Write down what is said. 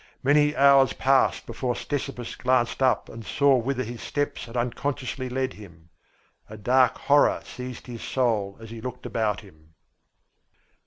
Many hours passed before Ctesippus glanced up and saw whither his steps had unconsciously led him. A dark horror seized his soul as he looked about him.